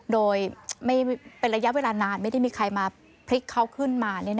โดยเป็นระยะเวลานานไม่ได้มีใครมาพลิกเขาขึ้นมา